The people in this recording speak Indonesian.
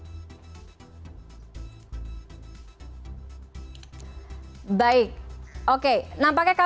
oke terakhir saja bagaimana harapan dari warga palestina menuju hari kemenangan besok di tengah kondisi yang sangat mencekam di sana